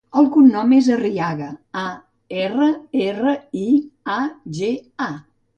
El cognom és Arriaga: a, erra, erra, i, a, ge, a.